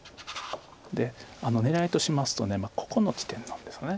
で狙いとしますとここの地点なんですよね。